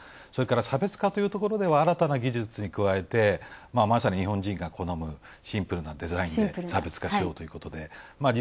それから差別化というところでは新たな技術に加えてまさに日本人が好むシンプルなデザインで差別化しようということで。